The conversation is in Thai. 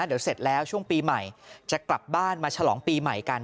เดี๋ยวเสร็จแล้วช่วงปีใหม่จะกลับบ้านมาฉลองปีใหม่กัน